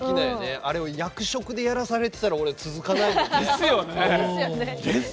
あれを役職でやらされてたら続かないね。